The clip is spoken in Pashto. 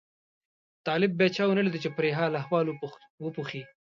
طالب بیا چا ونه لیده چې پرې حال احوال وپوښي.